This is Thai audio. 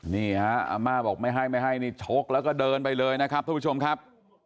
นี่ฮะอาม่าบอกไม่ให้ไม่ให้นี่ชกแล้วก็เดินไปเลยนะครับทุกผู้ชมครับ